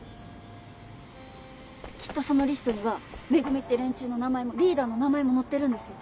きっとそのリストには「め組」って連中の名前もリーダーの名前も載ってるんですよ。